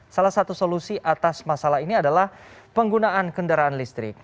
salah satu solusi atas masalah ini adalah penggunaan kendaraan listrik